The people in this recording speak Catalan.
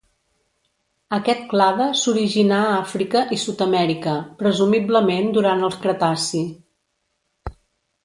Aquest clade s'originà a Àfrica i Sud-amèrica, presumiblement durant el Cretaci.